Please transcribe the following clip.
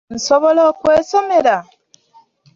Nsobola okwesomera!